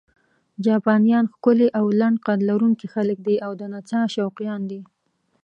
جاپانیان ښکلي او لنډ قد لرونکي خلک دي او د نڅا شوقیان دي.